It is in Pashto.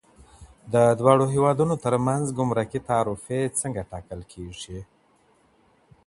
د دواړو هېوادونو ترمنځ ګمرکي تعرفې څنګه ټاکل کيږي؟